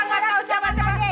nggak tahu siapa siapa